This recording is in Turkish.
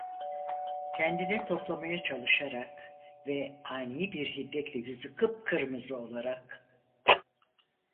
Kendini toplamaya çalışarak ve ani bir hiddetle yüzü kıpkırmızı olarak: